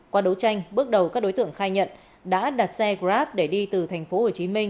qua đấu tranh bước đầu các đối tượng khai nhận đã đặt xe grab để đi từ tp hcm